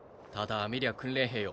アメリア訓練兵よ